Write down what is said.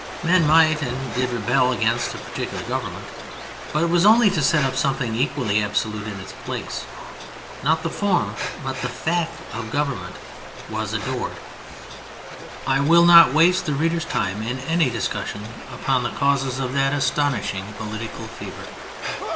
Men might and did rebel against a particular government, but it was only to set up something equally absolute in its place. Not the form but the fact of government was adored. I will not waste the reader's time in any discussion upon the causes of that astonishing political fever.